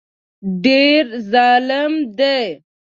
ډېر ظالم دی.